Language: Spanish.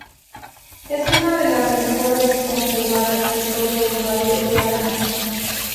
Es una de las mejor conservadas de todo el Valle de Arán.